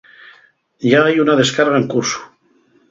Yá hai una descarga en cursu.